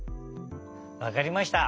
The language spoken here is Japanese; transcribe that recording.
わかりました。